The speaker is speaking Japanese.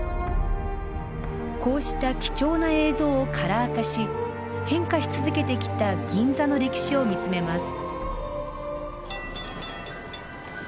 こうした貴重な映像をカラー化し変化し続けてきた銀座の歴史を見つめます。